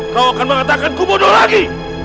kau akan mengatakan ku bodoh lagi